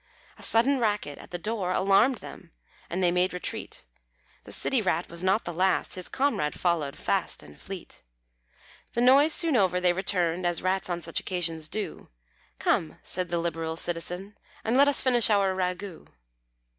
A sudden racket at the door Alarmed them, and they made retreat; The City Rat was not the last, His comrade followed fast and fleet. The noise soon over, they returned, As rats on such occasions do; "Come," said the liberal citizen, "And let us finish our ragout."